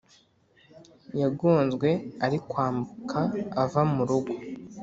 yagonzwe ari kwambuka ava murugo